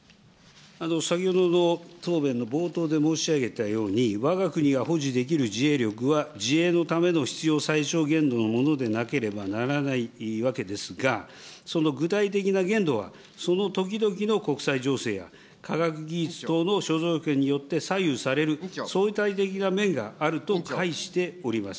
先ほどの答弁の冒頭で申し上げたように、わが国が保持できる自衛力は、自衛のための必要最小限度のものでなければならないわけですが、その具体的な限度は、その時々の国際情勢や科学技術等の諸条件によって左右される、相対的な面があるとかいしております。